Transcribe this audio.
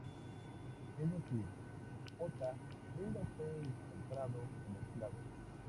Es decir, Ota Benga fue comprado como esclavo.